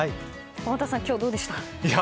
天達さん今日はどうでしたか？